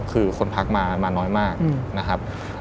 คือคนทักมาน้อยมากนะครับ